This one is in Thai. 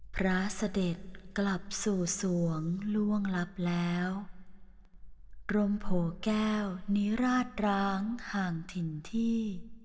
พระเสด็จกลับสู่สวงล่วงลับแล้วกรมโผแก้วนิราชร้างห่างถิ่นที่